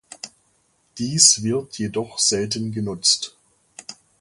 Dies wird jedoch selten genutzt.